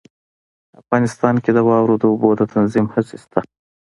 افغانستان کې د واورو د اوبو د تنظیم هڅې شته.